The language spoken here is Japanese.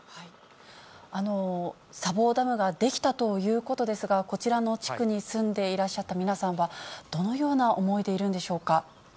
砂防ダムが出来たということですが、こちらの地区に住んでいらっしゃった皆さんは、どのような思いでいるんでしょうか。